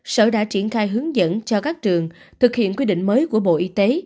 sở đã triển khai hướng dẫn cho các trường thực hiện quy định mới của bộ y tế